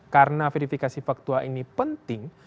karena verifikasi faktual ini penting